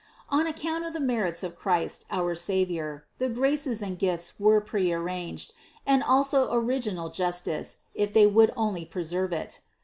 On account of the merits of Christ, our Savior, the graces and gifts were prearranged, and also original justice, if they would only preserve it.